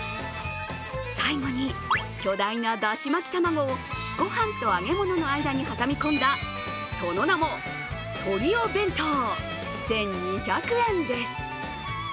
最後に巨大なだし巻き卵をご飯と揚げ物の間に挟み込んだその名も鶏男弁当、１２００円です。